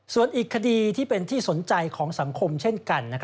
ส่วนอีกคดีที่เป็นที่สนใจของสังคมเช่นกัน